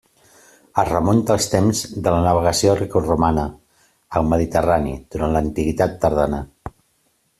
Es remunta al temps de la navegació grecoromana al mediterrani durant l'antiguitat tardana.